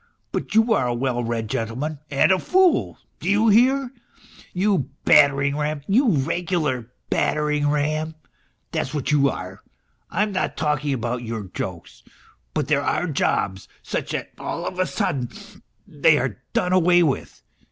But you are a well read gentleman and a fool, do you hear ? you battering ram you regular battering ram ! That's what you are ! I am not talking about your jokes; but there are jobs such that all of a sudden they are done away with.